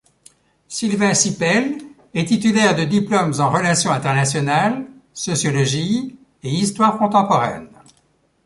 Sylvain Cypel est titulaire de diplômes en relations internationales, sociologie et histoire contemporaine.